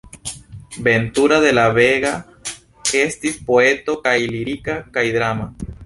Ventura de la Vega estis poeto kaj lirika kaj drama.